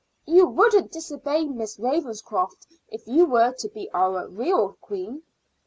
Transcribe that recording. "You wouldn't disobey Miss Ravenscroft if you were to be our real queen."